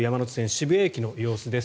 渋谷駅の様子です。